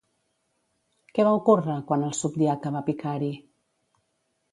Què va ocórrer quan el subdiaca va picar-hi?